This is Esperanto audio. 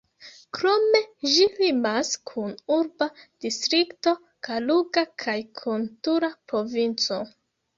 Krome, ĝi limas kun urba distrikto Kaluga kaj kun Tula provinco.